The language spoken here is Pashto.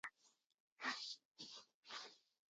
د احمد او محمود ستونزه حل وه